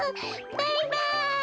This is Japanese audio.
バイバイ！